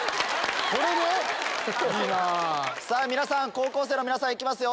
高校生の皆さん行きますよ